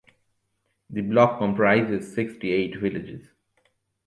The block comprises sixty-eight villages.